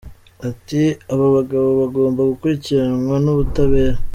Ati :”Aba bagabo bagomba gukurikiranwa n’ubutabera.